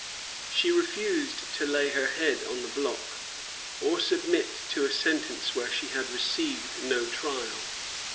[*] She refused to lay her head on the block, or submit to a sentence where she had received no trial.